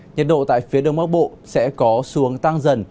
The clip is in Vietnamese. nhiệt độ tại phía đông bắc bộ sẽ có xuống tăng dần